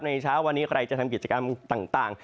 เช้าวันนี้ใครจะทำกิจกรรมต่าง